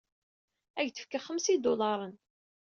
Ad ak-d-fkeɣ xemsa idularen.